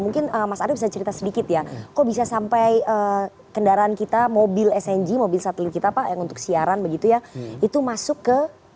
mungkin mas arief bisa cerita sedikit ya kok bisa sampai kendaraan kita mobil sng mobil satelit kita pak yang untuk siaran begitu ya itu masuk ke